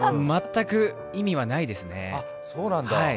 全く意味はないですね。